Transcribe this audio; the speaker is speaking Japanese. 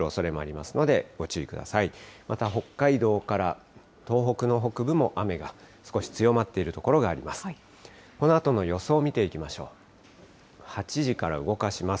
また北海道から東北の北部も雨が少し強まっている所があります。